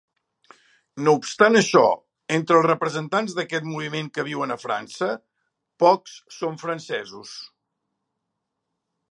No obstant això, entre els representants d'aquest moviment que viuen a França, pocs són francesos.